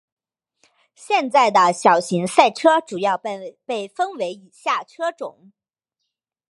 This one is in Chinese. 现在的小型赛车主要被分为以下车种。